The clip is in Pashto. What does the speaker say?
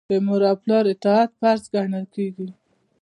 د مور او پلار اطاعت فرض ګڼل کیږي.